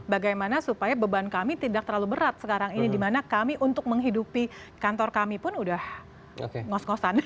bagaimana supaya beban kami tidak terlalu berat sekarang ini dimana kami untuk menghidupi kantor kami pun udah ngos ngosan